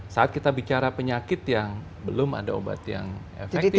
saat kita bicara penyakit yang belum ada obat yang efektif